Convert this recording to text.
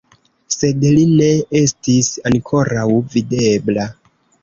Sed li ne estis ankoraŭ videbla.